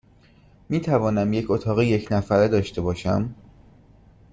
می توانم یک اتاق یک نفره داشته باشم؟